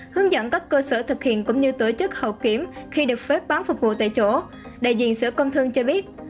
hướng dẫn các cơ sở thực hiện cũng như tổ chức hậu kiểm khi được phép bán phục vụ tại chỗ đại diện sở công thương cho biết